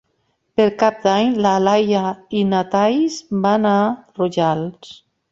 Per Cap d'Any na Laia i na Thaís van a Rojals.